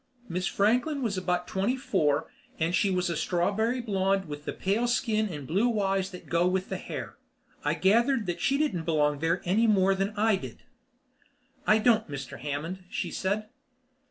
Miss Franklin was about twenty four, and she was a strawberry blonde with the pale skin and blue eyes that goes with the hair. I gathered that she didn't belong there any more than I did. "I don't, Mr. Hammond," she said.